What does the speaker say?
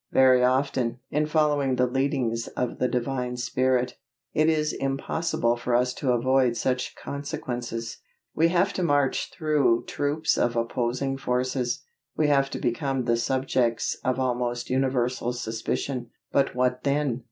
Very often, in following the leadings of the Divine Spirit, it is impossible for us to avoid such consequences. We have to march through troops of opposing forces. We have to become the subjects of almost universal suspicion. But what then?